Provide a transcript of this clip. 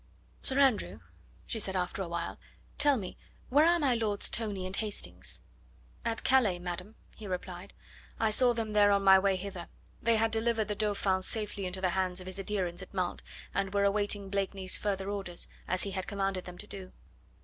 "Sir Andrew," she said after a while, "tell me, where are my Lords Tony and Hastings?" "At Calais, madam," he replied. "I saw them there on my way hither. They had delivered the Dauphin safely into the hands of his adherents at Mantes, and were awaiting Blakeney's further orders, as he had commanded them to do."